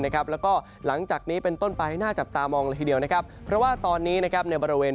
กลับละครับแล้วก็หลังจากนี้เป็นต้นไปในที่จะมองและเวียวนะครับเพราะว่าตอนนี้นะครับในบริเวณพื้น